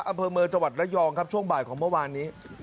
อำเภอเมืองจังหวัดระยองครับช่วงบ่ายของเมื่อวานนี้